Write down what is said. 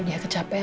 capek dia kecapek